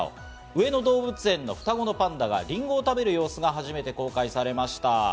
上野動物園の双子のパンダがリンゴを食べる様子が初めて公開されました。